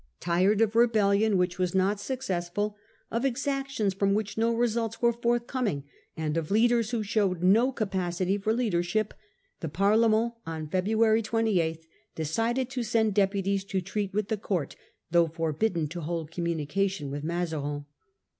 Tired of rebellion which was not suc A conference *,.._..., determined cessful, of exact ions from which no results on> were forthcoming, and of leaders who showed no capacity for leadership, the Parlement on February 28 decided to send deputies to treat with the court, though forbidden to hold communication with Mazarin.